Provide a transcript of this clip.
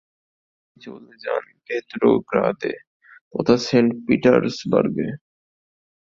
তিনি চলে যান পেত্রোগ্রাদে তথা সেন্ট পিটার্সবার্গে।